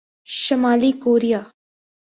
شمالی کوریا